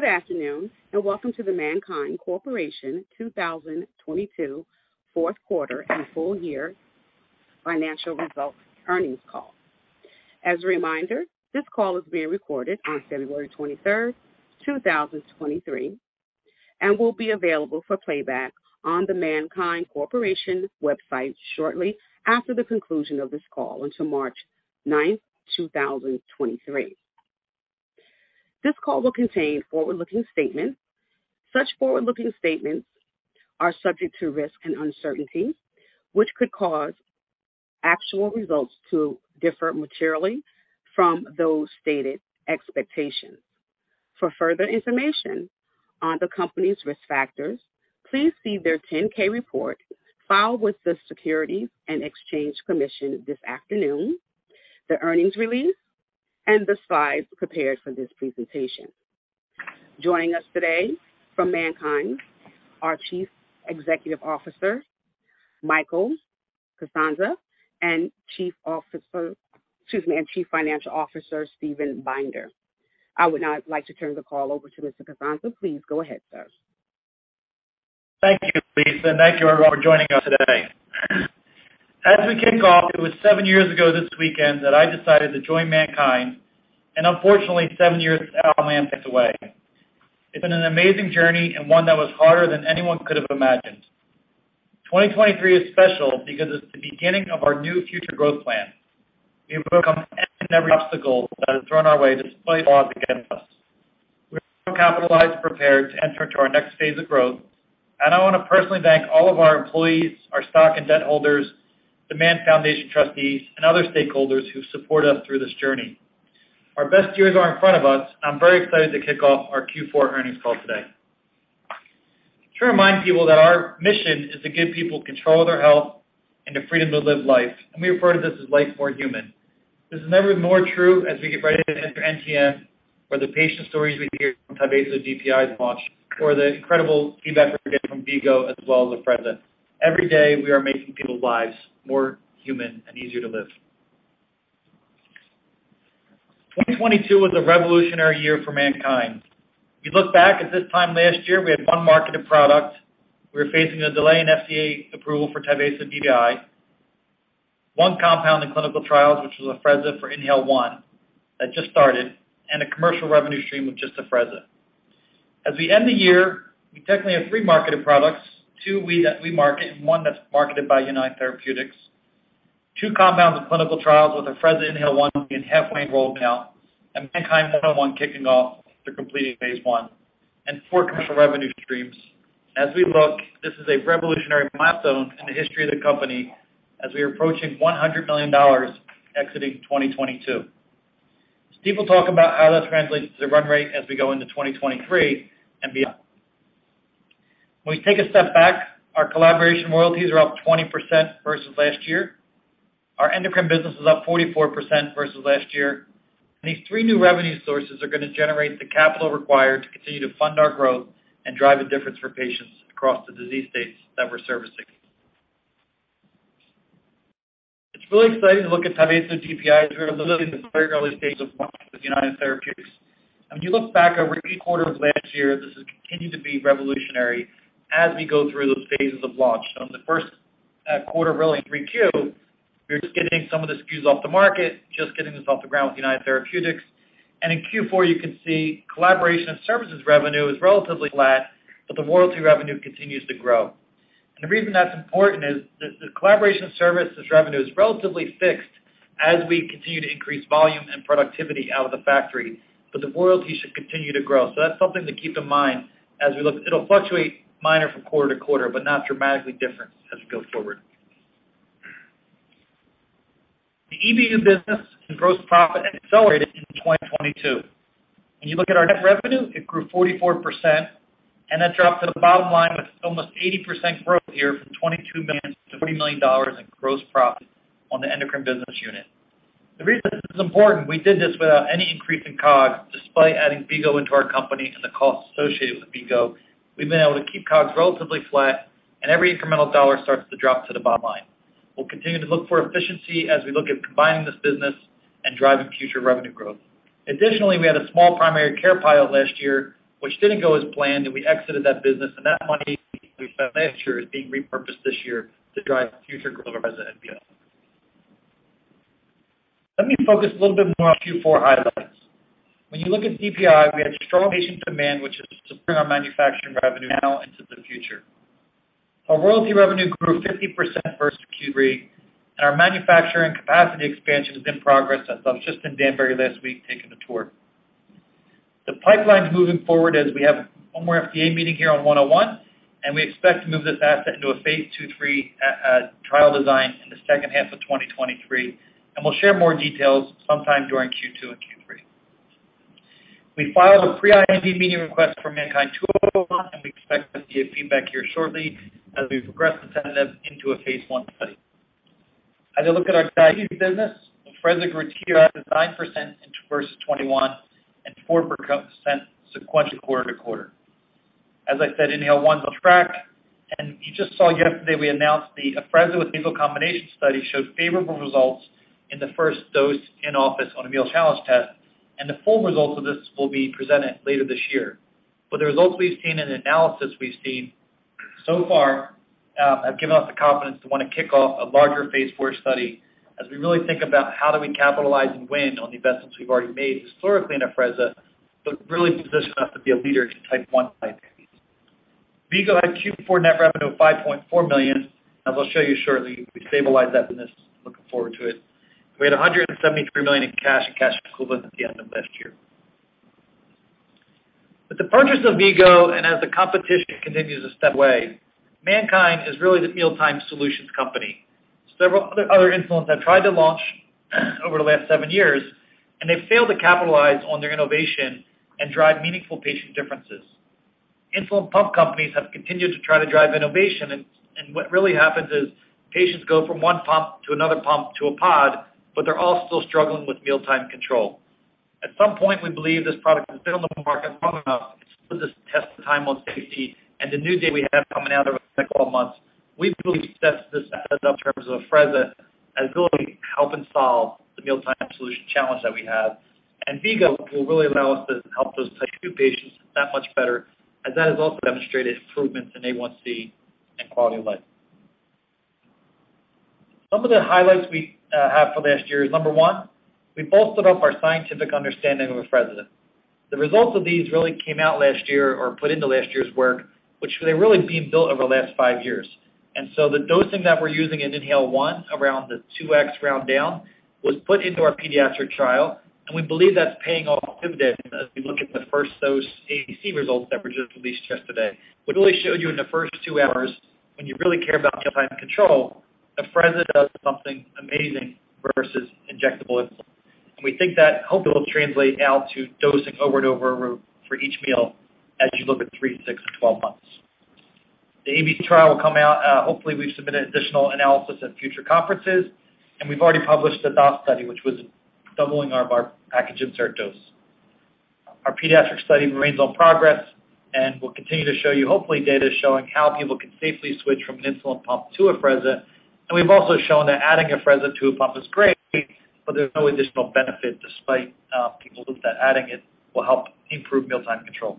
Good afternoon, welcome to the MannKind Corporation 2022 4th quarter and full year financial results earnings call. As a reminder, this call is being recorded on February 23, 2023, and will be available for playback on the MannKind Corporation website shortly after the conclusion of this call until March 9, 2023. This call will contain forward-looking statements. Such forward-looking statements are subject to risks and uncertainties, which could cause actual results to differ materially from those stated expectations. For further information on the company's risk factors, please see their 10-K report filed with the Securities and Exchange Commission this afternoon, the earnings release, and the slides prepared for this presentation. Joining us today from MannKind, our Chief Executive Officer, Michael Castagna, and Chief Financial Officer, Steven Binder. I would now like to turn the call over to Mr. Castagna. Please go ahead, sir. Thank you, Lisa. Thank you, everyone, for joining us today. As we kick off, it was 7 years ago this weekend that I decided to join MannKind, and unfortunately seven years away. 2023 is special because it's the beginning of our new future growth plan. We've overcome any and every obstacle that has thrown our way despite the odds against us. We are capitalized and prepared to enter into our next phase of growth, and I want to personally thank all of our employees, our stock and debt holders, the Mann Foundation trustees and other stakeholders who support us through this journey. Our best years are in front of us. I'm very excited to kick off our Q4 earnings call today. To remind people that our mission is to give people control of their health and the freedom to live life, and we refer to this as Life More Human. This is never more true as we get ready to enter NTM, where the patient stories we hear from Tyvaso DPI launch or the incredible feedback we get from V-Go as well as Afrezza. Every day, we are making people's lives more human and easier to live. 2022 was a revolutionary year for MannKind. You look back at this time last year, we had one marketed product. We were facing a delay in FDA approval for Tyvaso DPI, one compound in clinical trials, which was Afrezza for INHALE-1 that just started, and a commercial revenue stream with just Afrezza. As we end the year, we technically have three marketed products, two that we market and one that's marketed by United Therapeutics. Two compounds in clinical trials with Afrezza INHALE-1 being halfway enrolled now and MNKD-101 kicking off to completing phase I and four commercial revenue streams. As we look, this is a revolutionary milestone in the history of the company as we are approaching $100 million exiting 2022. As people talk about how that translates to the run rate as we go into 2023 and beyond. When we take a step back, our collaboration royalties are up 20% versus last year. Our endocrine business is up 44% versus last year. These three new revenue sources are going to generate the capital required to continue to fund our growth and drive a difference for patients across the disease states that we're servicing. It's really exciting to look at Tyvaso DPI. We're literally in the very early stages of launching with United Therapeutics. When you look back over each quarter of last year, this has continued to be revolutionary as we go through those phases of launch. From the first quarter, really in 3Q, we're just getting some of the SKUs off the market, just getting this off the ground with United Therapeutics. In Q4, you can see collaboration and services revenue is relatively flat, but the royalty revenue continues to grow. The reason that's important is that the collaboration services revenue is relatively fixed as we continue to increase volume and productivity out of the factory, but the royalty should continue to grow. That's something to keep in mind as we look. It'll fluctuate minor from quarter to quarter, but not dramatically different as we go forward. The EBU business and gross profit accelerated in 2022. When you look at our net revenue, it grew 44%, and that dropped to the bottom line with almost 80% growth year from $22 million to $30 million in gross profit on the endocrine business unit. The reason this is important, we did this without any increase in COGS, despite adding V-Go into our company and the cost associated with V-Go. We've been able to keep COGS relatively flat, and every incremental dollar starts to drop to the bottom line. We'll continue to look for efficiency as we look at combining this business and driving future revenue growth. Additionally, we had a small primary care pilot last year, which didn't go as planned, and we exited that business. That money we spent last year is being repurposed this year to drive future growth of Afrezza and beyond. Let me focus a little bit more on Q4 highlights. When you look at DPI, we have strong patient demand, which is to bring our manufacturing revenue now into the future. Our royalty revenue grew 50% versus Q3, and our manufacturing capacity expansion is in progress. I was just in Danbury last week taking a tour. The pipeline's moving forward as we have one more FDA meeting here on 101. We expect to move this asset into a phase II, III trial design in the second half of 2023, and we'll share more details sometime during Q2 and Q3. We filed a pre-IND meeting request for MNKD-201. We expect to get feedback here shortly as we progress this into a phase I study. As I look at our diabetes business, Afrezza grew here at 9% versus 21 and 4% sequential quarter-to-quarter. As I said, INHALE-1's on track. You just saw yesterday we announced the Afrezza with V-Go combination study showed favorable results in the first dose in office on a meal challenge test. The full results of this will be presented later this year. The results we've seen and analysis we've seen so far have given us the confidence to want to kick off a larger phase IV study as we really think about how do we capitalize and win on the investments we've already made historically in Afrezza, but really position us to be a leader in type 1 diabetes. V-Go had Q4 net revenue of $5.4 million. As I'll show you shortly, we stabilized that business, looking forward to it. We had $173 million in cash and cash equivalents at the end of last year. With the purchase of V-Go, and as the competition continues to step away, MannKind is really the mealtime solutions company. Several other insulins have tried to launch over the last 7 years, and they've failed to capitalize on their innovation and drive meaningful patient differences. Insulin pump companies have continued to try to drive innovation and what really happens is patients go from one pump to another pump to a pod, but they're all still struggling with mealtime control. At some point, we believe this product has been on the market long enough to put this test to time on safety, and the new data we have coming out over the next 12 months, we've really set this asset up in terms of Afrezza as really helping solve the mealtime solution challenge that we have. V-Go will really allow us to help those Type 2 patients that much better, as that has also demonstrated improvements in A1C and quality of life. Some of the highlights we have for last year is, number 1, we bolstered up our scientific understanding of Afrezza. The results of these really came out last year or put into last year's work, which they've really been built over the last five years. The dosing that we're using in INHALE-1 around the 2x round-down was put into our pediatric trial, and we believe that's paying off dividends as we look at the first-dose ADC results that were just released yesterday. What it really showed you in the first two hours, when you really care about mealtime control, Afrezza does something amazing versus injectable insulin. We think that hopefully will translate now to dosing over and over for each meal as you look at three to six to 12 months. The ABC trial will come out. Hopefully, we've submitted additional analysis at future conferences, and we've already published the Dose Optimization Study, which was doubling our bar package insert dose. Our pediatric study remains on progress, and we'll continue to show you, hopefully, data showing how people can safely switch from an insulin pump to Afrezza. We've also shown that adding Afrezza to a pump is great, but there's no additional benefit despite people looked at adding it will help improve mealtime control.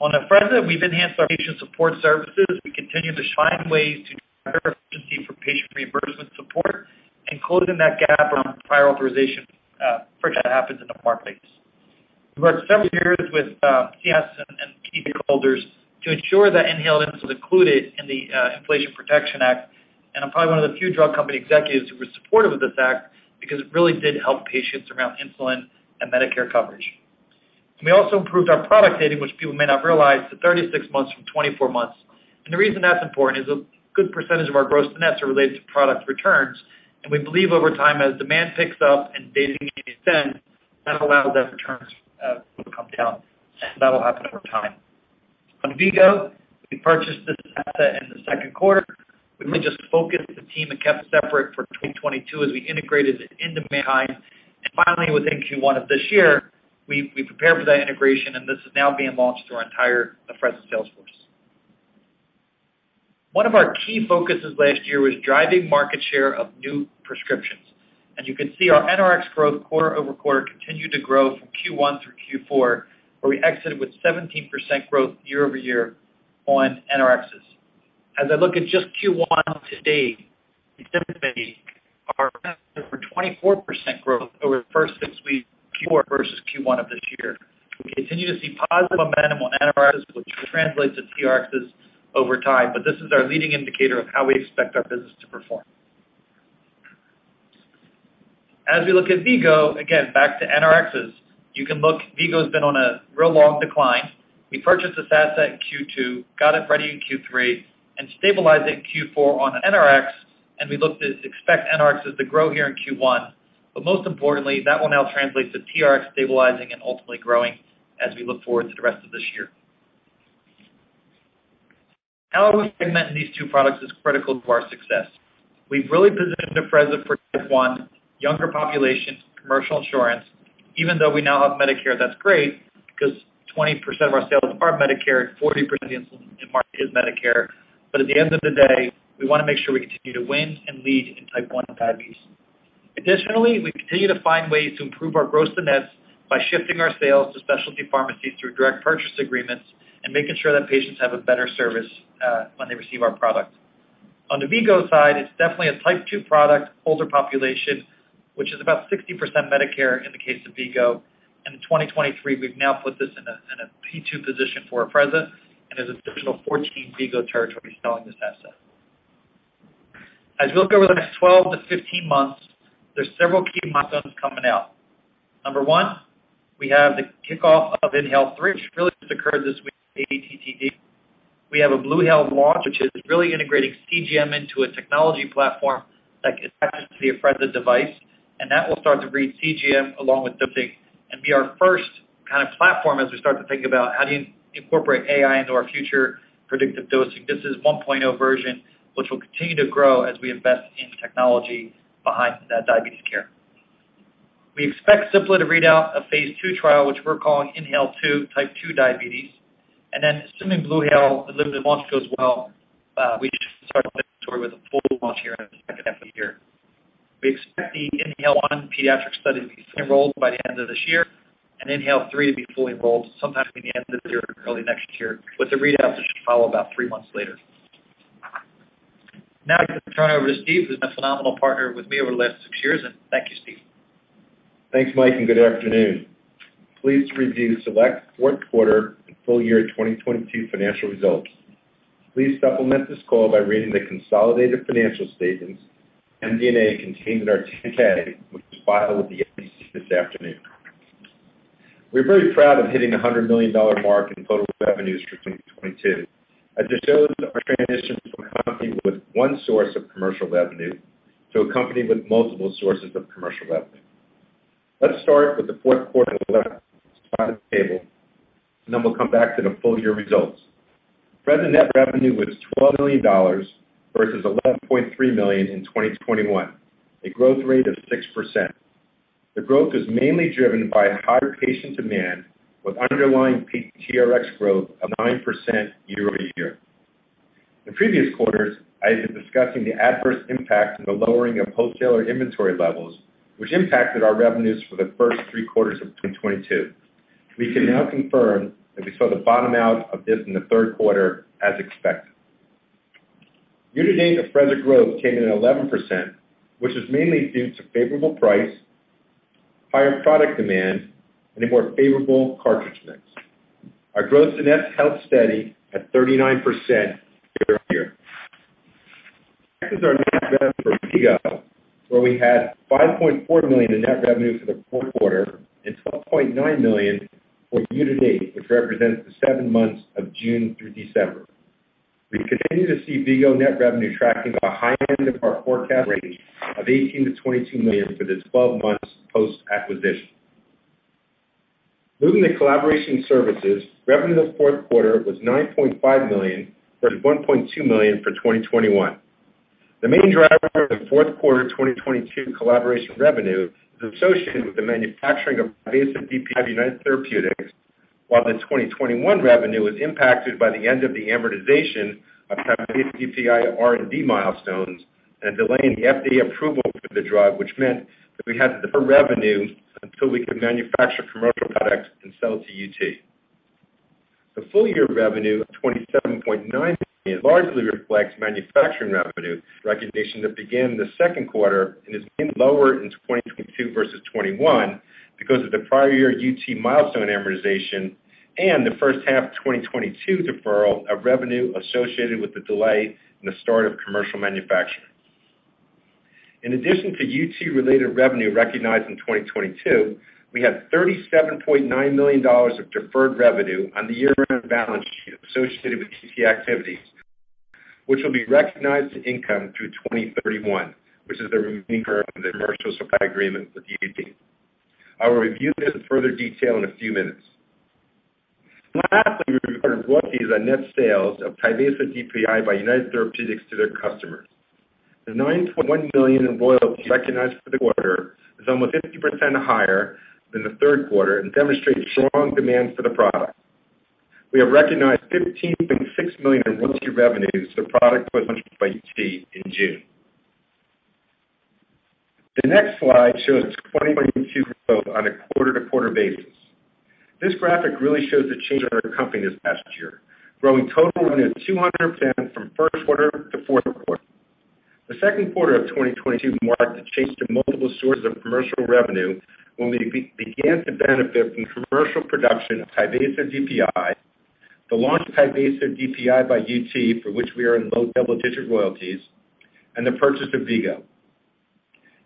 On Afrezza, we've enhanced our patient support services. We continue to find ways to improve efficiency for patient reimbursement support and closing that gap around prior authorization for what happens in the marketplace. We worked several years with PS and key stakeholders to ensure that inhaled insulin is included in the Inflation Reduction Act, and I'm probably one of the few drug company executives who were supportive of this act because it really did help patients around insulin and Medicare coverage. We also improved our product dating, which people may not realize, to 36 months from 24 months. The reason that's important is a good percentage of our gross-to-net are related to product returns, and we believe over time, as demand picks up and dating extends, that allows our returns to come down. That will happen over time. On V-Go, we purchased this asset in the second quarter. We really just focused the team and kept separate for 2022 as we integrated it into MannKind. Finally, within Q1 of this year, we prepared for that integration, and this is now being launched through our entire Afrezza sales force. One of our key focuses last year was driving market share of new prescriptions. As you can see, our NRX growth quarter-over-quarter continued to grow from Q1 through Q4, where we exited with 17% growth year-over-year on NRXs. As I look at just Q1 to date, we certainly are for 24% growth over the six weeks, Q4 versus Q1 of this year. We continue to see positive momentum on NRXs, which translates to TRXs over time, but this is our leading indicator of how we expect our business to perform. As we look at V-Go, again, back to NRXs, you can look, V-Go's been on a real long decline. We purchased this asset in Q2, got it ready in Q3, and stabilized it in Q4 on an NRX, and we looked to expect NRXs to grow here in Q1. Most importantly, that will now translate to TRX stabilizing and ultimately growing as we look forward to the rest of this year. How we segment these two products is critical to our success. We've really positioned Afrezza for Type 1, younger populations, commercial insurance. Even though we now have Medicare, that's great because 20% of our sales are Medicare, and 40% of the insulin in market is Medicare. At the end of the day, we want to make sure we continue to win and lead in Type 1 diabetes. Additionally, we continue to find ways to improve our gross-to-net by shifting our sales to specialty pharmacies through direct purchase agreements and making sure that patients have a better service when they receive our product. On the V-Go side, it's definitely a Type 2 product, older population, which is about 60% Medicare in the case of V-Go. In 2023, we've now put this in a P2 position for Afrezza and is an additional 14 V-Go territories selling this asset. As we look over the next 12–15 months, there's several key milestones coming out. Number one, we have the kickoff of INHALE-3, which really just occurred this week, ATTD. We have a BluHale launch, which is really integrating CGM into a technology platform that attaches to the Afrezza device, and that will start to read CGM along with dosing and be our first kind of platform as we start to think about how do you incorporate AI into our future predictive dosing. This is 1.0 version, which will continue to grow as we invest in technology behind that diabetes care. We expect simply to read out Phase 2 trial, which we're calling INHALE-2 Type 2 diabetes. Assuming BluHale delivery launch goes well, we should start with a full launch here in the second half of the year. We expect the INHALE-1 pediatric study to be fully enrolled by the end of this year and INHALE-3 to be fully enrolled sometime in the end of this year or early next year, with the readouts that should follow about 3 months later. I'm going to turn it over to Steve, who's been a phenomenal partner with me over the last six years. Thank you, Steve. Thanks, Mike. Good afternoon. Please review select fourth quarter and full year 2022 financial results. Please supplement this call by reading the consolidated financial statements and MD&A contained in our 10-K, which was filed with the SEC this afternoon. We're very proud of hitting the $100 million mark in total revenues for 2022. I just showed our transition from a company with one source of commercial revenue to a company with multiple sources of commercial revenue. Let's start with the fourth quarter table, and then we'll come back to the full year results. Afrezza net revenue was $12 million versus $11.3 million in 2021, a growth rate of 6%. The growth is mainly driven by higher patient demand with underlying peak TRX growth of 9% year-over-year. In previous quarters, I have been discussing the adverse impact of the lowering of wholesaler inventory levels, which impacted our revenues for the first three quarters of 2022. We can now confirm that we saw the bottom out of this in the third quarter as expected. Year-to-date Afrezza growth came in at 11%, which is mainly due to favorable price, higher product demand, and a more favorable cartridge mix. Our growth to net held steady at 39% year-over-year. Next is our net revenue for V-Go, where we had $5.4 million in net revenue for the fourth quarter and $12.9 million for year-to-date, which represents the 7 months of June through December. We continue to see V-Go net revenue tracking the high end of our forecast range of $18 million-$22 million for this 12 months post-acquisition. Moving to collaboration services, revenue in the fourth quarter was $9.5 million versus $1.2 million for 2021. The main driver of the fourth quarter 2022 collaboration revenue is associated with the manufacturing of Tyvaso DPI by United Therapeutics, while the 2021 revenue was impacted by the end of the amortization of Tyvaso DPI R&D milestones and delaying the FDA approval for the drug, which meant that we had no revenue until we could manufacture commercial products and sell to UT. The full year revenue of $27.9 million largely reflects manufacturing revenue recognition that began the second quarter and is lower in 2022 versus 2021 because of the prior year UT milestone amortization and the first half of 2022 deferral of revenue associated with the delay in the start of commercial manufacturing. In addition to UT-related revenue recognized in 2022, we had $37.9 million of deferred revenue on the year-end balance sheet associated with UT activities, which will be recognized as income through 2031, which is the remaining term of the commercial supply agreement with UT. I will review this in further detail in a few minutes. Lastly, we recorded royalties on net sales of Tyvaso DPI by United Therapeutics to their customers. The $9.1 million in royalties recognized for the quarter is almost 50% higher than the third quarter and demonstrates strong demand for the product. We have recognized $15.6 million in royalty revenues for product launched by UT in June. The next slide shows 2022 growth on a quarter-to-quarter basis. This graphic really shows the change in our company this past year, growing total revenue 200% from 1st quarter to 4th quarter. The 2nd quarter of 2022 marked the change to multiple sources of commercial revenue when we began to benefit from commercial production of Tyvaso DPI, the launch of Tyvaso DPI by UT, for which we are in low double-digit royalties, and the purchase of V-Go.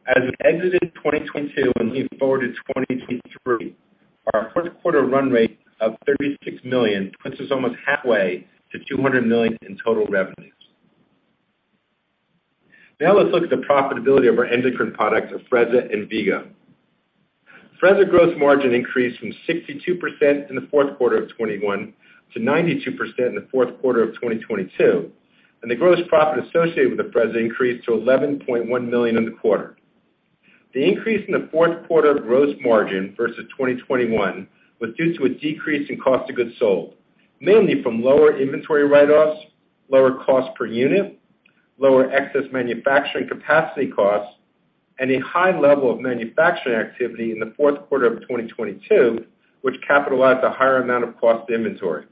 As we've exited 2022 and lean forward to 2023, our 1st quarter run rate of $36 million puts us almost halfway to $200 million in total revenues. Let's look at the profitability of our endocrine products, Afrezza and V-Go. Afrezza gross margin increased from 62% in the fourth quarter of 2021 to 92% in the fourth quarter of 2022, and the gross profit associated with Afrezza increased to $11.1 million in the quarter. The increase in the fourth quarter gross margin versus 2021 was due to a decrease in Cost of Goods Sold, mainly from lower inventory write-offs, lower cost per unit, lower excess manufacturing capacity costs, and a high level of manufacturing activity in the fourth quarter of 2022, which capitalized a higher amount of cost inventory,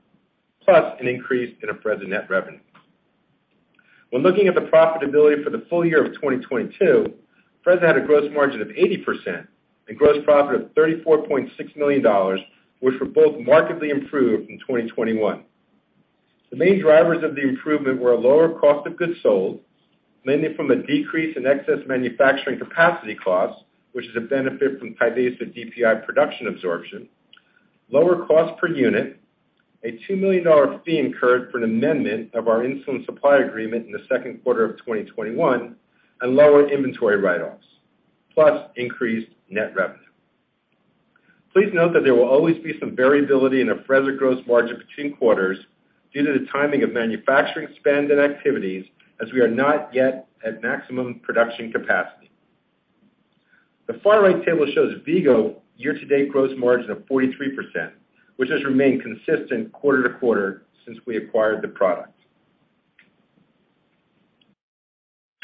plus an increase in Afrezza net revenue. When looking at the profitability for the full year of 2022, Afrezza had a gross margin of 80% and gross profit of $34.6 million, which were both markedly improved in 2021. The main drivers of the improvement were a lower cost of goods sold, mainly from a decrease in excess manufacturing capacity costs, which is a benefit from Tyvaso DPI production absorption, lower cost per unit, a $2 million fee incurred for an amendment of our insulin supply agreement in the second quarter of 2021, and lower inventory write-offs, plus increased net revenue. Please note that there will always be some variability in Afrezza gross margin between quarters due to the timing of manufacturing spend and activities, as we are not yet at maximum production capacity. The far-right table shows V-Go year-to-date gross margin of 43%, which has remained consistent quarter to quarter since we acquired the product.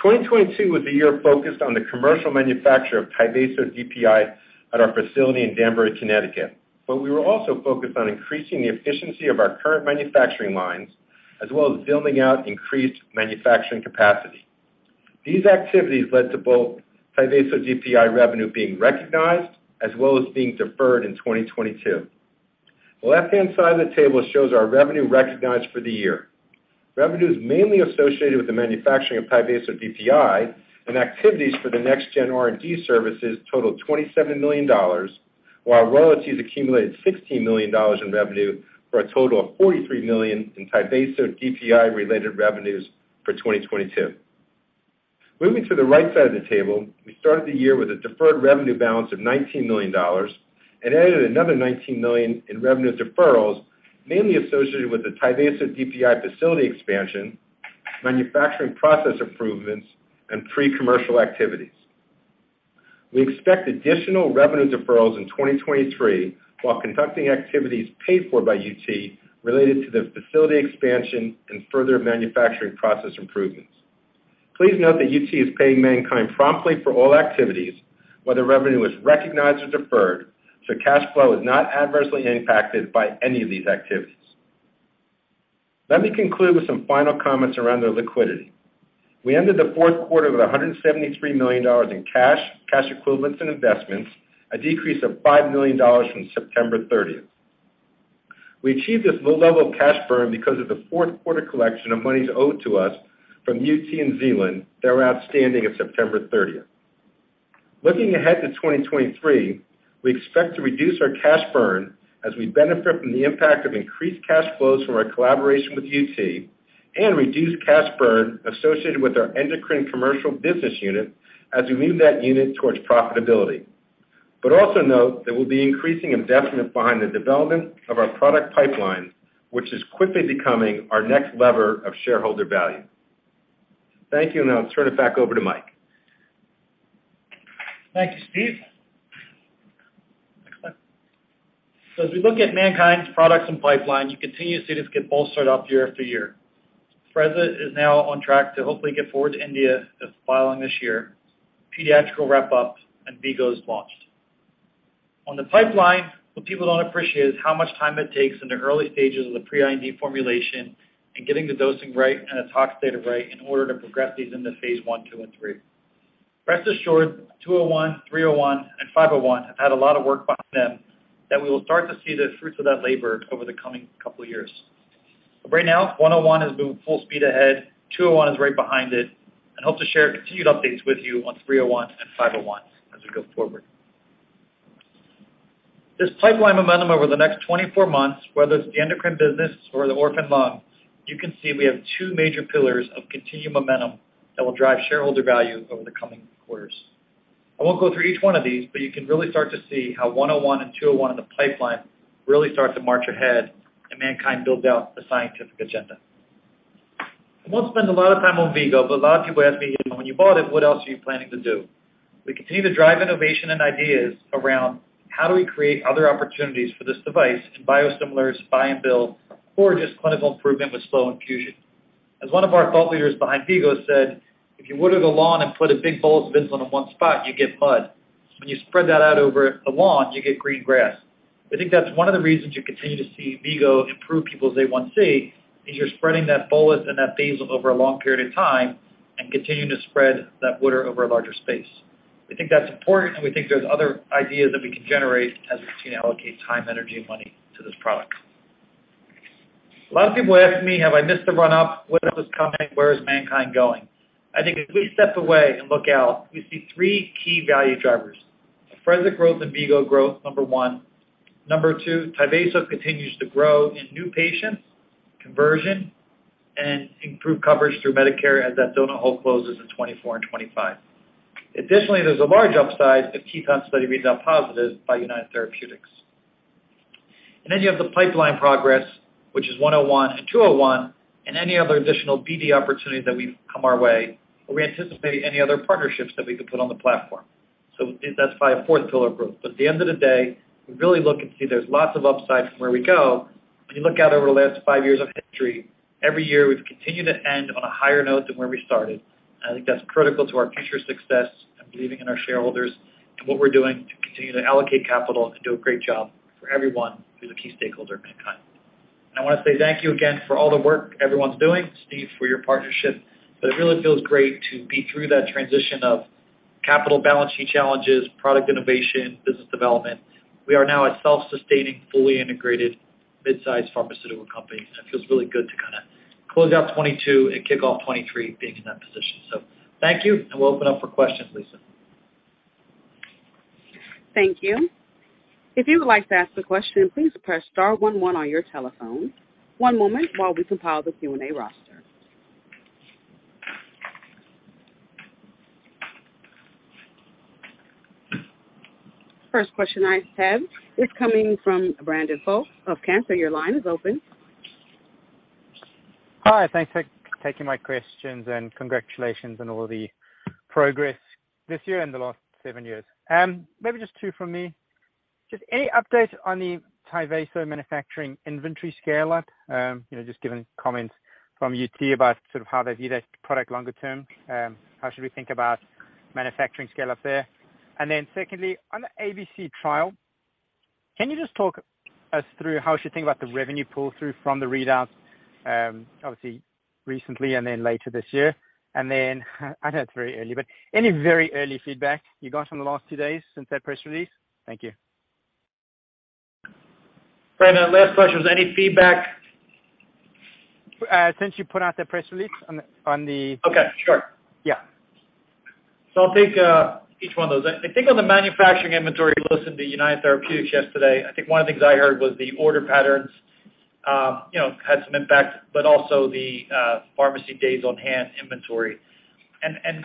2022 was a year focused on the commercial manufacture of Tyvaso DPI at our facility in Danbury, Connecticut. We were also focused on increasing the efficiency of our current manufacturing lines, as well as building out increased manufacturing capacity. These activities led to both Tyvaso DPI revenue being recognized as well as being deferred in 2022. The left-hand side of the table shows our revenue recognized for the year. Revenues mainly associated with the manufacturing of Tyvaso DPI and activities for the next gen R&D services totaled $27 million, while royalties accumulated $16 million in revenue, for a total of $43 million in Tyvaso DPI-related revenues for 2022. Moving to the right side of the table, we started the year with a deferred revenue balance of $19 million and added another $19 million in revenue deferrals, mainly associated with the Tyvaso DPI facility expansion, manufacturing process improvements, and pre-commercial activities. We expect additional revenue deferrals in 2023 while conducting activities paid for by UT related to the facility expansion and further manufacturing process improvements. Please note that UT is paying MannKind promptly for all activities, whether revenue is recognized or deferred, so cash flow is not adversely impacted by any of these activities. Let me conclude with some final comments around our liquidity. We ended the fourth quarter with $173 million in cash equivalents, and investments, a decrease of $5 million from September 30th. We achieved this low level of cash burn because of the fourth quarter collection of monies owed to us from UT and Zealand that were outstanding at September 30th. Looking ahead to 2023, we expect to reduce our cash burn as we benefit from the impact of increased cash flows from our collaboration with UT and reduce cash burn associated with our endocrine commercial business unit as we move that unit towards profitability. Also note that we'll be increasing investment behind the development of our product pipeline, which is quickly becoming our next lever of shareholder value. Thank you, and I'll turn it back over to Mike. Thank you, Steve. Next slide. As we look at MannKind's products and pipeline, you continue to see this get bolstered up year-after-year. Afrezza is now on track to hopefully get forward to IND this filing this year, pediatrics will wrap up, and V-Go is launched. On the pipeline, what people don't appreciate is how much time it takes in the early stages of the pre-IND formulation and getting the dosing right and the tox data right in order to progress these into phase I, II, and III. Rest assured, 201, 301, and 501 have had a lot of work behind them that we will start to see the fruits of that labor over the coming couple of years. Right now, 101 is moving full speed ahead, 201 is right behind it. I hope to share continued updates with you on MNKD-301 and MNKD-501 as we go forward. This pipeline momentum over the next 24 months, whether it's the endocrine business or the orphan lung, you can see we have two major pillars of continued momentum that will drive shareholder value over the coming quarters. I won't go through each one of these, but you can really start to see how MNKD-101 and MNKD-201 in the pipeline really start to march ahead and MannKind builds out the scientific agenda. I won't spend a lot of time on V-Go, but a lot of people ask me, "When you bought it, what else are you planning to do?" We continue to drive innovation and ideas around how do we create other opportunities for this device in biosimilars, buy and build or just clinical improvement with slow infusion. As one of our thought leaders behind V-Go said, "If you water the lawn and put a big bolus of insulin on one spot, you get mud. When you spread that out over a lawn, you get green grass." I think that's one of the reasons you continue to see V-Go improve people's A1C, is you're spreading that bolus and that basal over a long period of time and continuing to spread that water over a larger space. We think that's important, and we think there's other ideas that we can generate as we continue to allocate time, energy, and money to this product. A lot of people ask me, "Have I missed the run-up? What else is coming? Where is MannKind going?" I think if we step away and look out, we see 3 key value drivers. Afrezza growth and V-Go growth, number 1. Number 2, Tyvaso continues to grow in new patients, conversion, and improved coverage through Medicare as that donut hole closes in 2024 and 2025. Additionally, there's a large upside if key concept study reads out positive by United Therapeutics. You have the pipeline progress, which is 101 and 201, and any other additional BD opportunities that come our way, or we anticipate any other partnerships that we could put on the platform. That's probably a fourth pillar of growth. At the end of the day, we really look and see there's lots of upside from where we go. If you look out over the last five years of history, every year we've continued to end on a higher note than where we started. I think that's critical to our future success and believing in our shareholders and what we're doing to continue to allocate capital and do a great job for everyone who's a key stakeholder at MannKind. I want to say thank you again for all the work everyone's doing, Steve, for your partnership. It really feels great to be through that transition of capital balance sheet challenges, product innovation, business development. We are now a self-sustaining, fully integrated mid-sized pharmaceutical company. It feels really good to kinda close out 2022 and kick off 2023 being in that position. Thank you, and we'll open up for questions, Lisa. Thank you. If you would like to ask a question, please press star one one on your telephone. One moment while we compile the Q&A roster. First question I have is coming from Bryan Folkes of Cantor. Your line is open. Hi. Thanks for taking my questions, congratulations on all the progress this year and the last 7 years. maybe just two from me. Just any update on the Tyvaso manufacturing inventory scale up? you know, just given comments from UT about sort of how they view that product longer term, how should we think about manufacturing scale up there? secondly, on the ABC trial, can you just talk us through how we should think about the revenue pull through from the readouts, obviously recently and then later this year? I know it's very early, but any very early feedback you got from the last two days since that press release? Thank you. The last question, was any feedback? Since you put out the press release on the. Okay. Sure. Yeah. I'll take each one of those. I think on the manufacturing inventory, listened to United Therapeutics yesterday. I think one of the things I heard was the order patterns, you know, had some impact, but also the pharmacy days on hand inventory.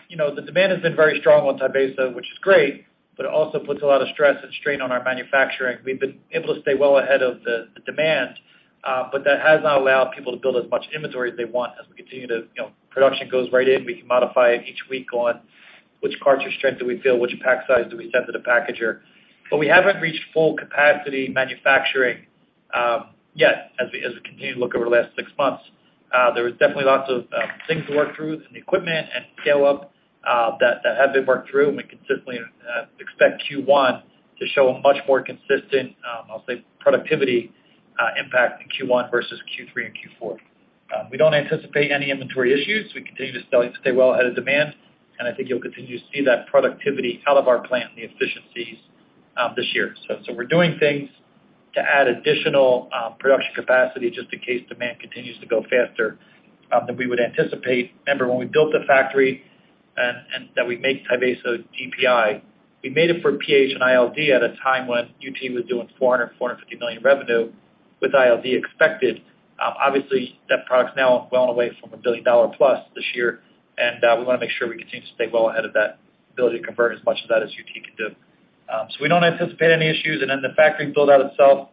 You know, the demand has been very strong on Tyvaso, which is great, but it also puts a lot of stress and strain on our manufacturing. We've been able to stay well ahead of the demand, but that has not allowed people to build as much inventory as they want as we continue to, you know, production goes right in. We can modify it each week on which cartridge strength do we feel, which pack size do we send to the packager. We haven't reached full capacity manufacturing yet as we continue to look over the last six months. There was definitely lots of things to work through in the equipment and scale up that have been worked through. We consistently expect Q1 to show a much more consistent, I'll say, productivity impact in Q1 versus Q3 and Q4. We don't anticipate any inventory issues. We continue to selling, stay well ahead of demand, and I think you'll continue to see that productivity out of our plant and the efficiencies this year. We're doing things to add additional production capacity just in case demand continues to go faster than we would anticipate. Remember when we built the factory and that we make Tyvaso DPI, we made it for PAH and ILD at a time when UT was doing $400 million–$450 million revenue with ILD expected. Obviously that product's now well away from a $1 billion plus this year. We want to make sure we continue to stay well ahead of that ability to convert as much of that as UT can do. We don't anticipate any issues. Then the factory build out itself,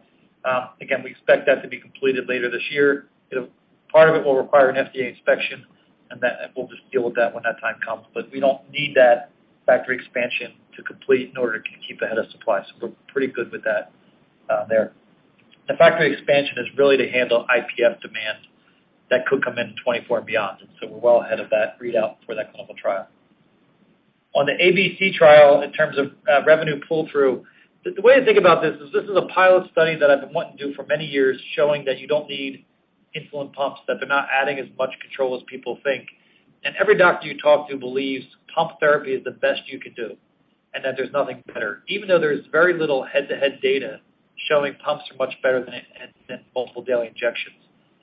again, we expect that to be completed later this year. Part of it will require an FDA inspection, and that, and we'll just deal with that when that time comes. We don't need that factory expansion to complete in order to keep ahead of supply. We're pretty good with that there. The factory expansion is really to handle IPF demand that could come in in 2024 and beyond. We're well ahead of that readout for that clinical trial. On the ABC trial in terms of revenue pull through, the way to think about this is, this is a pilot study that I've been wanting to do for many years, showing that you don't need insulin pumps, that they're not adding as much control as people think. Every doctor you talk to believes pump therapy is the best you can do, and that there's nothing better, even though there's very little head-to-head data showing pumps are much better than multiple daily injections.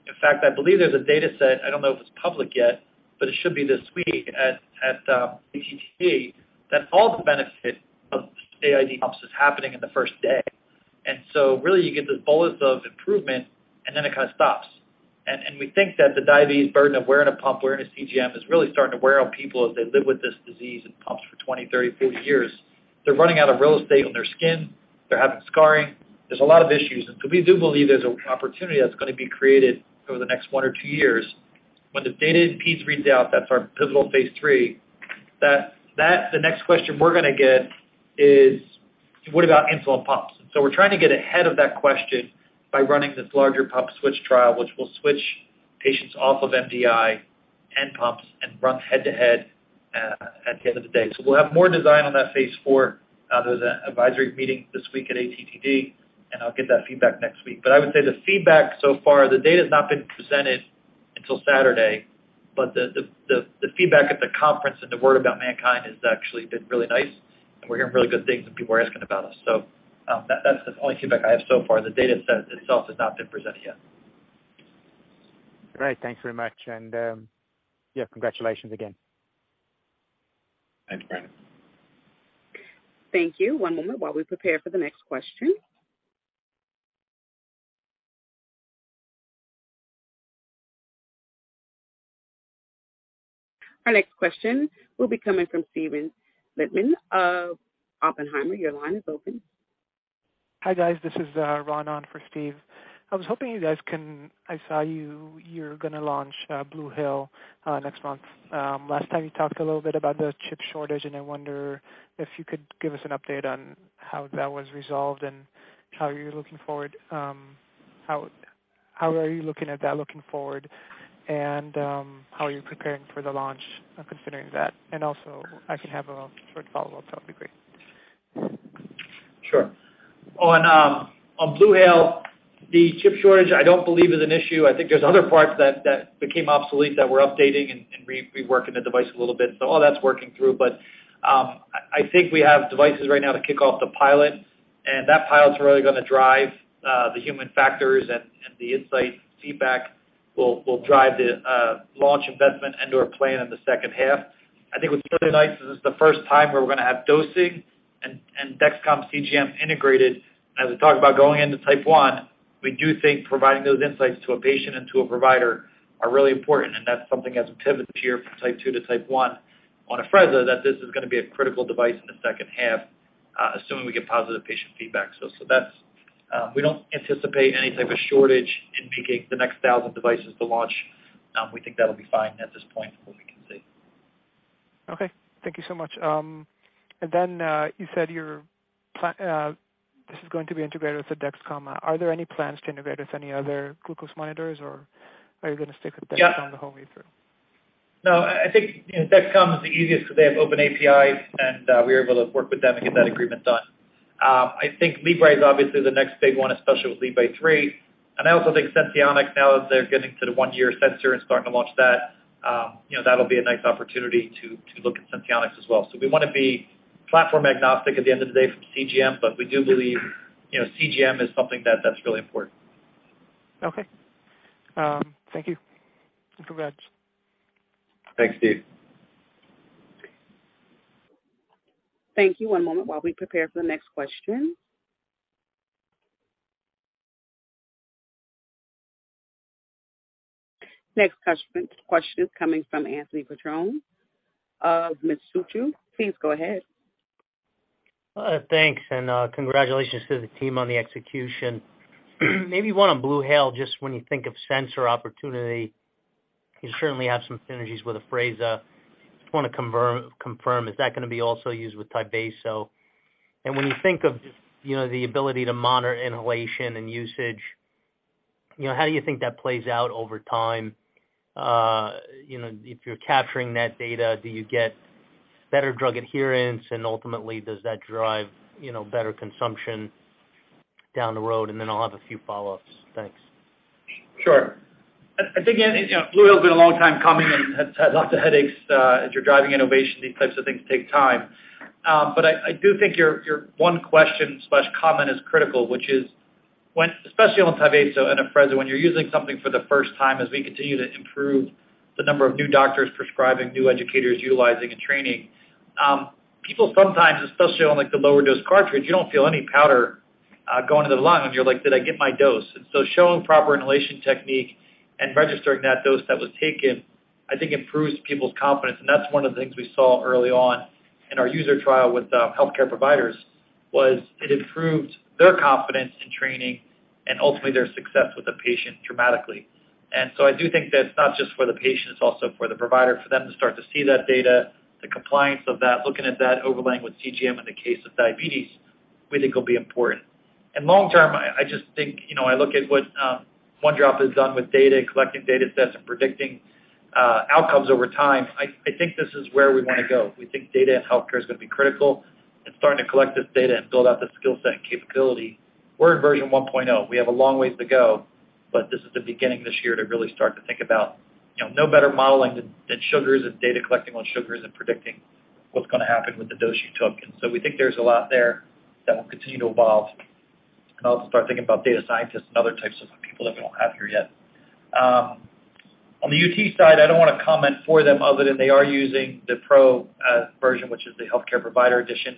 In fact, I believe there's a data set, I don't know if it's public yet, but it should be this week at ATTD, that all the benefit of AID pumps is happening in the first day. So really you get this bolus of improvement, and then it kind of stops. We think that the diabetes burden of wearing a pump, wearing a CGM, is really starting to wear on people as they live with this disease and pumps for 20, 30, 40 years. They're running out of real estate on their skin. They're having scarring. There's a lot of issues. So we do believe there's an opportunity that's going to be created over the next 1 or 2 years when the data in Peace reads out, that's our pivotal phase III, that the next question we're going to get is: What about insulin pumps? We're trying to get ahead of that question by running this larger pump switch trial, which will switch patients off of MDI and pumps and run head-to-head at the end of the day. We'll have more design on that phase IV. There's an advisory meeting this week at ATTD, and I'll get that feedback next week. I would say the feedback so far, the data's not been presented until Saturday, but the feedback at the conference and the word about MannKind has actually been really nice. We're hearing really good things when people are asking about us. That's the only feedback I have so far. The data set itself has not been presented yet. Great. Thanks very much. Yeah, congratulations again. Thanks, Brandon. Thank you. One moment while we prepare for the next question. Our next question will be coming from Steven Lichtman of Oppenheimer. Your line is open. Hi, guys. This is Ron on for Steve. I was hoping you guys can. I saw you're going to launch BluHale next month. Last time you talked a little bit about the chip shortage, and I wonder if you could give us an update on how that was resolved and how you're looking forward, how are you looking at that looking forward, and how are you preparing for the launch, considering that? Also, I can have a short follow-up. That would be great. Sure. On BluHale, the chip shortage I don't believe is an issue. I think there's other parts that became obsolete that we're updating and reworking the device a little bit. All that's working through, but I think we have devices right now to kick off the pilot. That pilot's really going to drive the human factors and the insight feedback will drive the launch investment into our plan in the second half. I think what's really nice is it's the first time where we're going to have dosing and Dexcom CGM integrated. As we talk about going into type 1, we do think providing those insights to a patient and to a provider are really important, and that's something as we pivot this year from Type 2 to Type 1 on Afrezza, that this is going to be a critical device in the second half, assuming we get positive patient feedback. That's. We don't anticipate any type of shortage in picking the next 1,000 devices to launch. We think that'll be fine at this point from what we can see. Okay. Thank you so much. You said your pla--. This is going to be integrated with the Dexcom. Are there any plans to integrate with any other glucose monitors, or are you going to stick with- Yeah. Dexcom the whole way through? No, I think Dexcom is the easiest 'cause they have open APIs, and we are able to work with them and get that agreement done. I think Libre is obviously the next big one, especially with Libre 3. I also think Senseonics now as they're getting to the one-year sensor and starting to launch that, you know, that'll be a nice opportunity to look at Senseonics as well. We want to be platform-agnostic at the end of the day from CGM, but we do believe, you know, CGM is something that's really important. Okay. Thank you. Congrats. Thanks, Steve. Thank you. One moment while we prepare for the next question. Next question is coming from Anthony Petrone of Mizuho. Please go ahead. Thanks. Congratulations to the team on the execution. Maybe one on BluHale, just when you think of sensor opportunity, you certainly have some synergies with Afrezza. Just want to confirm, is that going to be also used with Tyvaso? When you think of, you know, the ability to monitor inhalation and usage, you know, how do you think that plays out over time? You know, if you're capturing that data, do you get better drug adherence? Ultimately, does that drive, you know, better consumption down the road? Then I'll have a few follow-ups. Thanks. Sure. I think, you know, BluHale's been a long time coming and has had lots of headaches. As you're driving innovation, these types of things take time. I do think your one question/comment is critical, which is when, especially on Tyvaso and Afrezza, when you're using something for the first time, as we continue to improve the number of new doctors prescribing, new educators utilizing and training, people sometimes, especially on like the lower dose cartridge, you don't feel any powder, going to the lung, and you're like, "Did I get my dose?" Showing proper inhalation technique and registering that dose that was taken, I think improves people's confidence. That's one of the things we saw early on in our user trial with healthcare providers, was it improved their confidence in training and ultimately their success with the patient dramatically. I do think that it's not just for the patient, it's also for the provider, for them to start to see that data, the compliance of that, looking at that overlaying with CGM in the case of diabetes, we think will be important. Long term, I just think, you know, I look at what One Drop has done with data, collecting data sets and predicting outcomes over time. I think this is where we want to go. We think data in healthcare is going to be critical, and starting to collect this data and build out the skill set and capability. We're in version 1.0. We have a long ways to go, but this is the beginning this year to really start to think about, you know, no better modeling than sugars and data collecting on sugars and predicting what's going to happen with the dose you took. We think there's a lot there that will continue to evolve. I'll start thinking about data scientists and other types of people that we don't have here yet. On the UT side, I don't want to comment for them other than they are using the pro version, which is the healthcare provider edition,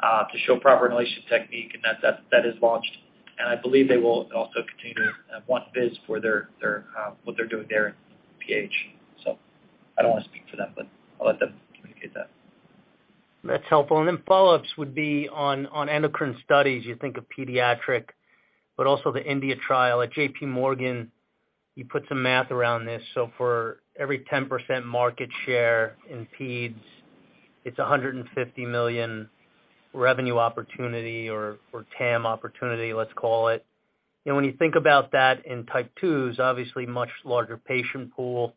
to show proper inhalation technique, and that is launched. I believe they will also continue to want viz for their what they're doing there in PH. I don't want to speak for them, but I'll let them communicate that. That's helpful. Follow-ups would be on endocrine studies. You think of pediatric, but also the INHALE-2. At JP Morgan, you put some math around this. For every 10% market share in peds, it's a $150 million revenue opportunity or TAM opportunity, let's call it. You know, when you think about that in Type 2s, obviously much larger patient pool.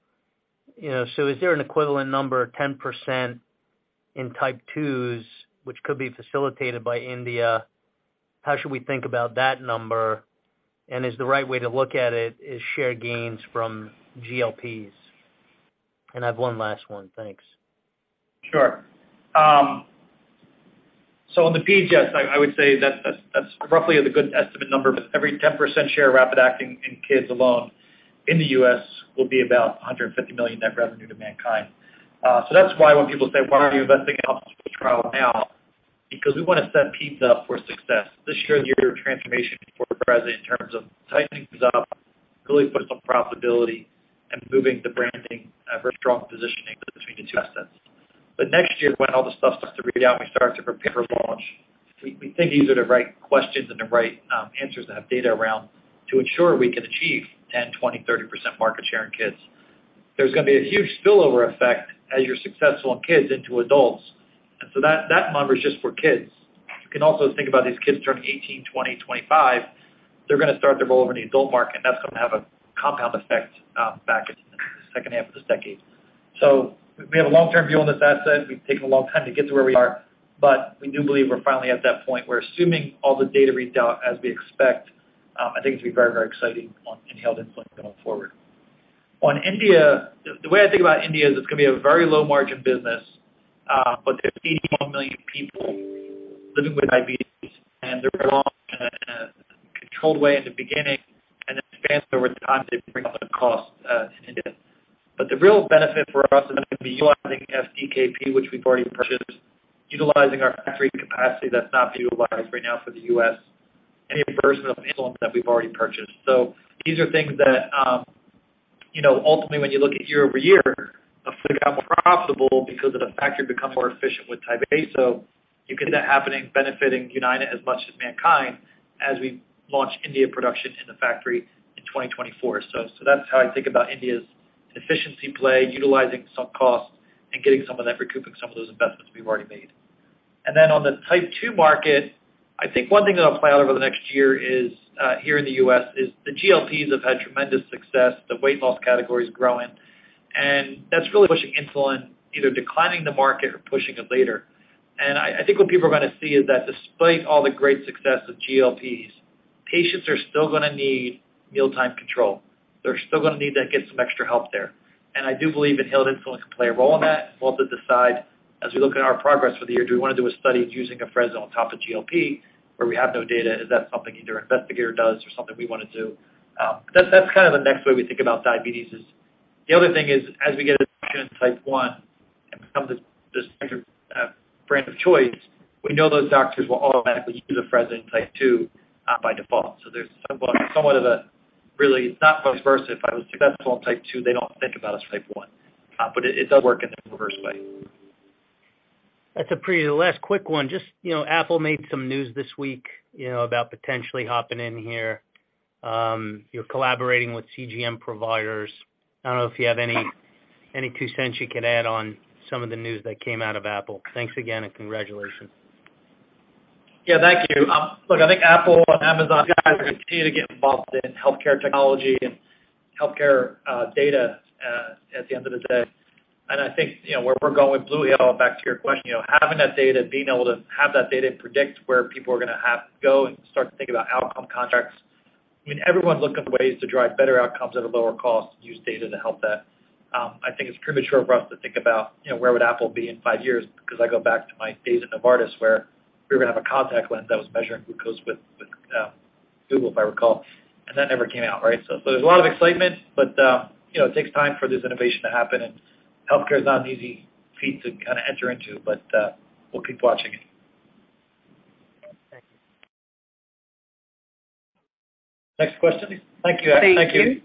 You know, is there an equivalent number, 10% in Type 2s, which could be facilitated by India? How should we think about that number? Is the right way to look at it is share gains from GLPs? I have one last one. Thanks. Sure. On the peds, yes, I would say that's roughly a good estimate number, but every 10% share rapid acting in kids alone in the U.S. will be about $150 million net revenue to MannKind. That's why when people say, "Why are you investing in a trial now?" Because we want to set peds up for success. This year transformation for Afrezza in terms of tightening things up, really putting some profitability and moving the branding, a very strong positioning between the two assets. Next year, when all the stuff starts to read out, and we start to prepare for launch, we think these are the right questions and the right answers to have data around to ensure we can achieve 10%, 20%, 30% market share in kids. There's going to be a huge spillover effect as you're successful in kids into adults. That number is just for kids. You can also think about these kids turning 18, 20, 25, they're going to start to roll over in the adult market, and that's going to have a compound effect back into the second half of this decade. We have a long-term view on this asset. We've taken a long time to get to where we are, but we do believe we're finally at that point. We're assuming all the data reads out as we expect. I think it'd be very, very exciting on inhaled insulin going forward. On India, the way I think about India is it's going to be a very low margin business, but there's 81 million people living with diabetes, and there are a lot-Controlled way in the beginning and then advance over time to bring up the cost in India. The real benefit for us is going to be utilizing FDKP, which we've already purchased, utilizing our factory capacity that's not being utilized right now for the U.S., any diversion of insulin that we've already purchased. These are things that, you know, ultimately, when you look at year-over-year, Afrezza more profitable because of the factory become more efficient with type A. You get that happening, benefiting United as much as MannKind as we launch India production in the factory in 2024. That's how I think about India's efficiency play, utilizing some costs and getting some of that recouping some of those investments we've already made. Then on the Type 2 market, I think one thing that'll play out over the next year is here in the U.S., is the GLPs have had tremendous success. The weight loss category is growing, and that's really pushing insulin, either declining the market or pushing it later. I think what people are going to see is that despite all the great success of GLPs, patients are still going to need mealtime control. They're still going to need to get some extra help there. I do believe inhaled insulin can play a role in that. We'll have to decide as we look at our progress for the year. Do we want to do a study using Afrezza on top of GLP where we have no data? Is that something either investigator does or something we want to do? That's kind of the next way we think about diabetes is the other thing is, as we get Type 1 and become this brand of choice, we know those doctors will automatically use Afrezza in type two by default. There's somewhat of a really not vice versa. If I was successful in type two, they don't think about us Type 1. It does work in the reverse way. That's a last quick one. You know, Apple made some news this week, you know, about potentially hopping in here. You're collaborating with CGM providers. I don't know if you have any two cents you could add on some of the news that came out of Apple. Thanks again. Congratulations. Thank you. Look, I think Apple and Amazon are going to continue to get involved in healthcare technology and healthcare data at the end of the day. I think, you know, where we're going with BluHale, back to your question, you know, having that data, being able to have that data to predict where people are going to have to go and start to think about outcome contracts. I mean, everyone's looking for ways to drive better outcomes at a lower cost and use data to help that. I think it's premature for us to think about, you know, where would Apple be in 5 years? I go back to my days at Novartis where we were going to have a contact lens that was measuring glucose with Google, if I recall, and that never came out, right? There's a lot of excitement, but, you know, it takes time for this innovation to happen, and healthcare is not an easy feat to kind of enter into. We'll keep watching it. Thank you. Next question. Thank you. Thank you. Thank you.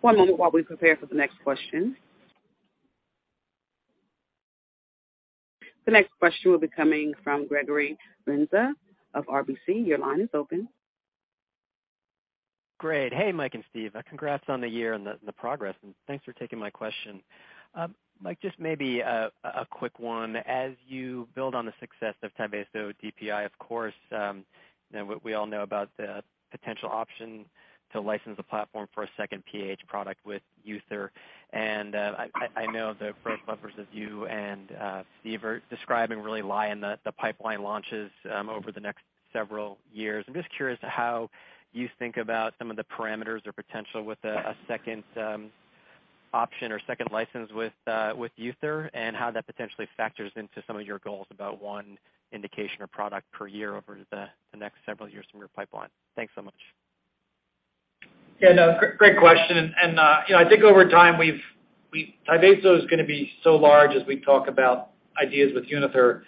One moment while we prepare for the next question. The next question will be coming from Gregory Renza of RBC. Your line is open. Great. Hey, Mike and Steve. Congrats on the year and the progress, and thanks for taking my question. Mike, just maybe a quick one. As you build on the success of Tyvaso DPI, of course, we all know about the potential option to license the platform for a second PAH product with UTHR. I know the first bumpers of you and Steve are describing really lie in the pipeline launches, over the next several years. I'm just curious how you think about some of the parameters or potential with a second option or second license with UTHR and how that potentially factors into some of your goals about one indication or product per year over the next several years from your pipeline. Thanks so much. Yeah, no, great question. You know, I think over time, we Tyvaso is going to be so large as we talk about ideas with UTHR,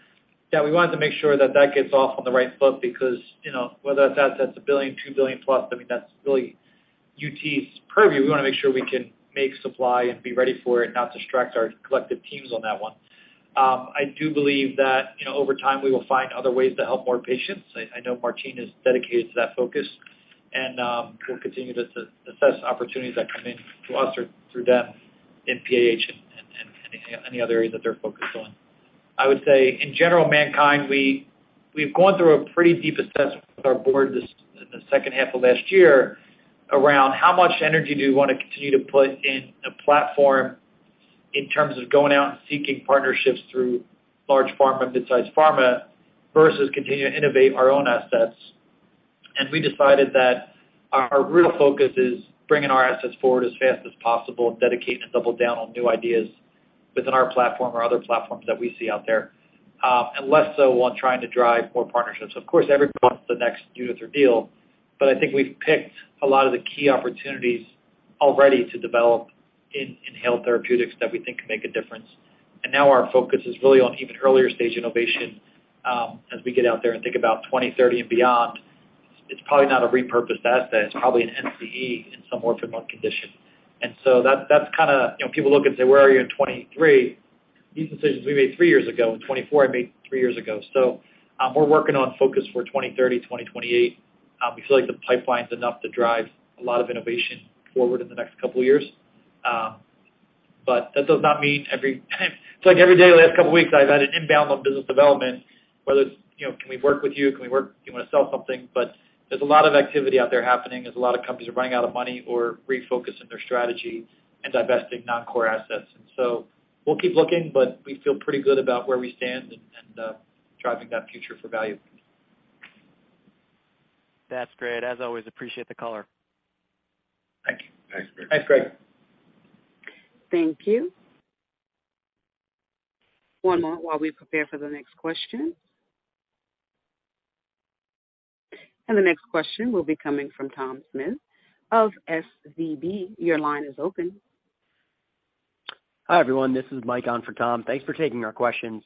that we wanted to make sure that that gets off on the right foot because, you know, whether that's $1 billion-$2 billion plus, I mean, that's really UT's purview. We want to make sure we can make supply and be ready for it, not distract our collective teams on that one. I do believe that, you know, over time, we will find other ways to help more patients. I know Martine is dedicated to that focus, and we'll continue to assess opportunities that come in to us or through them in PAH and any other area that they're focused on. I would say in general, MannKind, we've gone through a pretty deep assessment with our board in the second half of last year around how much energy do we want to continue to put in a platform in terms of going out and seeking partnerships through large pharma, mid-size pharma, versus continue to innovate our own assets. We decided that our real focus is bringing our assets forward as fast as possible and dedicate and double down on new ideas within our platform or other platforms that we see out there, and less so on trying to drive more partnerships. Of course, everyone wants the next Unither deal, but I think we've picked a lot of the key opportunities already to develop in health therapeutics that we think can make a difference. Now our focus is really on even earlier stage innovation, as we get out there and think about 2030 and beyond. It's probably not a repurposed asset. It's probably an NCE in some orphan lung condition. That's kinda, you know, people look and say, "Where are you in 2023?" These decisions we made 3 years ago. In 2024, I made 3 years ago. We're working on focus for 2030, 2028. We feel like the pipeline's enough to drive a lot of innovation forward in the next couple of years. But that does not mean. It's like every day, the last couple weeks I've had an inbound on business development, whether it's, you know, can we work with you? Do you want to sell something? There's a lot of activity out there happening. There's a lot of companies are running out of money or refocusing their strategy and divesting non-core assets. We'll keep looking, but we feel pretty good about where we stand and driving that future for value. That's great. As always, appreciate the color. Thanks, Greg. Thank you. One more while we prepare for the next question. The next question will be coming from Mike Kratky of SVB. Your line is open. Hi, everyone. This is Mike on for Tom. Thanks for taking our questions.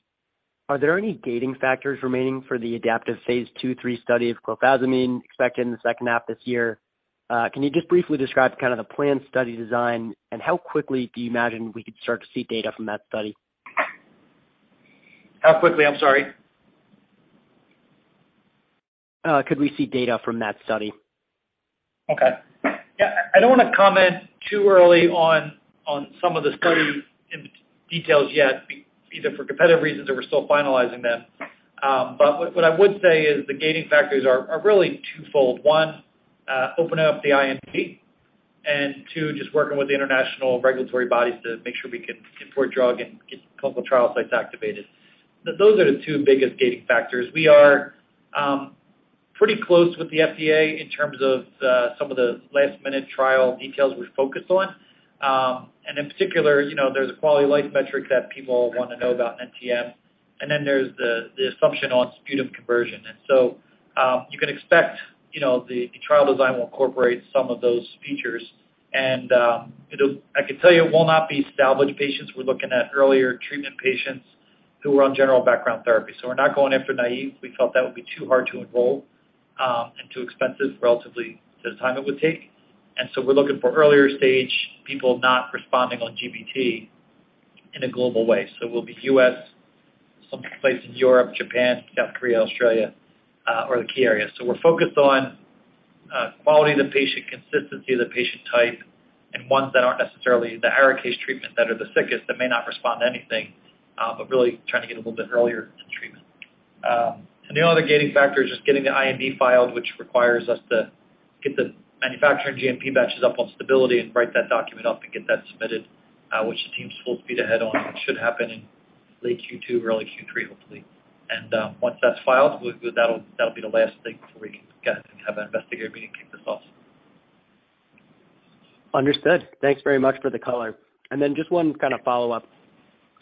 Are there any gating factors remaining for the adaptive phase two three study of clofazimine expected in the second half this year? Can you just briefly describe kind of the planned study design, and how quickly do you imagine we could start to see data from that study? How quickly? I'm sorry. Could we see data from that study? Okay. Yeah, I don't want to comment too early on some of the study details yet be either for competitive reasons or we're still finalizing them. What I would say is the gating factors are really twofold. One, opening up the IND, 2, just working with the international regulatory bodies to make sure we can import drug and get clinical trial sites activated. Those are the 2 biggest gating factors. We are pretty close with the FDA in terms of some of the last-minute trial details we focus on. In particular, you know, there's a quality life metric that people want to know about NTM. There's the assumption on sputum conversion. You can expect, you know, the trial design will incorporate some of those features. It'll. I can tell you it will not be established patients. We're looking at earlier treatment patients who are on general background therapy. We're not going after naive. We felt that would be too hard to enroll, and too expensive relatively to the time it would take. We're looking for earlier stage people not responding on GBT in a global way. It will be US, some place in Europe, Japan, South Korea, Australia, are the key areas. We're focused on, quality of the patient, consistency of the patient type, and ones that aren't necessarily the higher case treatment that are the sickest, that may not respond to anything, but really trying to get a little bit earlier in treatment. The other gating factor is just getting the IND filed, which requires us to get the manufacturing GMP batches up on stability and write that document up and get that submitted, which the team's full speed ahead on. It should happen in late Q2, early Q3, hopefully. Once that's filed, that'll be the last thing before we can get and have an investigator meeting, kick this off. Understood. Thanks very much for the color. Just one kind of follow-up.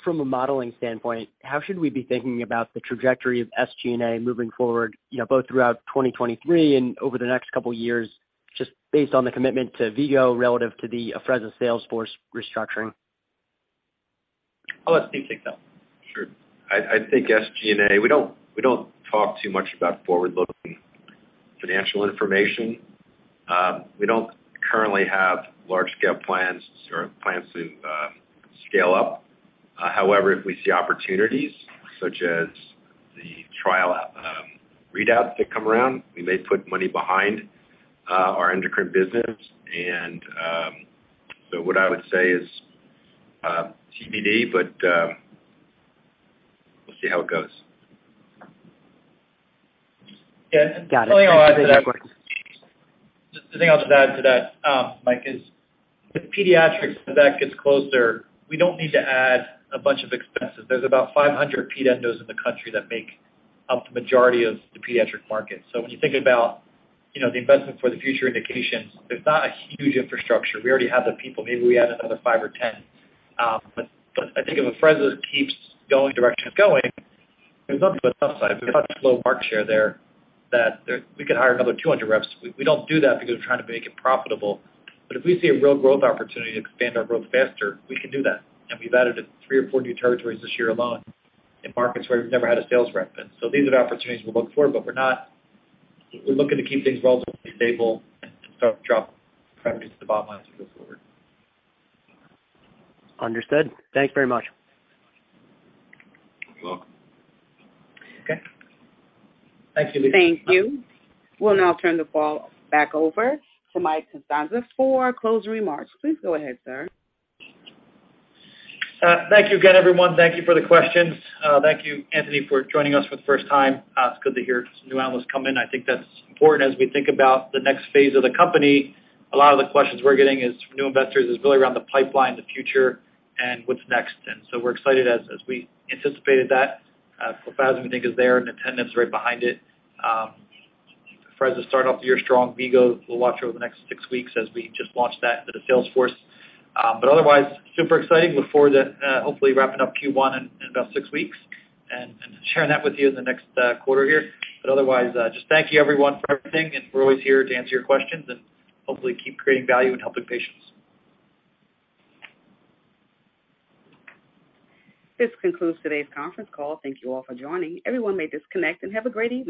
From a modeling standpoint, how should we be thinking about the trajectory of SG&A moving forward, you know, both throughout 2023 and over the next couple years, just based on the commitment to V-Go relative to the Afrezza sales force restructuring? I'll let Steve take that one. Sure. I think SG&A, we don't talk too much about forward-looking financial information. We don't currently have large scale plans or plans to scale up. However, if we see opportunities such as the trial readout that come around, we may put money behind our endocrine business. What I would say is TBD, but we'll see how it goes. Got it. The thing I'll just add to that, Mike, is with pediatrics, when that gets closer, we don't need to add a bunch of expenses. There's about 500 ped endos in the country that make up the majority of the pediatric market. When you think about, you know, the investment for the future indications, there's not a huge infrastructure. We already have the people. Maybe we add another 5 or 10. I think if Afrezza keeps going the direction it's going, there's nothing but upsides. We've got slow market share there we could hire another 200 reps. We don't do that because we're trying to make it profitable. If we see a real growth opportunity to expand our growth faster, we can do that. We've added, three or four new territories this year alone in markets where we've never had a sales rep. These are the opportunities we're looking for. We're looking to keep things relatively stable and start to drop revenues to the bottom line as we go forward. Understood. Thanks very much. You're welcome. Okay. Thank you. Thank you. We'll now turn the call back over to Mike Castagna for closing remarks. Please go ahead, sir. Thank you again, everyone. Thank you for the questions. Thank you, Anthony, for joining us for the first time. It's good to hear some new analysts come in. I think that's important as we think about the next phase of the company. A lot of the questions we're getting is from new investors is really around the pipeline, the future, and what's next. We're excited as we anticipated that. Clofazimine, we think, is there, nintedanib is right behind it. Afrezza start off the year strong. V-Go, we'll watch over the next six weeks as we just launched that into the sales force. Otherwise, super exciting. Look forward to, hopefully wrapping up Q1 in about six weeks and sharing that with you in the next quarter here. Otherwise, just thank you everyone for everything, and we're always here to answer your questions and hopefully keep creating value and helping patients. This concludes today's conference call. Thank you all for joining. Everyone may disconnect and have a great evening.